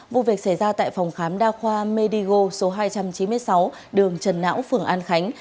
vụ việc xảy ra tại phòng khám đa khoa medigo số hai trăm chín mươi sáu đường trần não phường an khánh